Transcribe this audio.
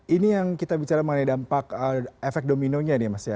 ini yang kita bicara mengenai dampak efek dominonya nih mas ya